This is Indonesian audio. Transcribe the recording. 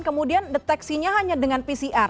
kemudian deteksinya hanya dengan pcr